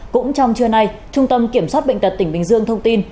cũng trong trưa nay trung tâm kiểm soát bệnh tật tỉnh bình dương thông tin